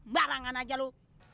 barangan aja lu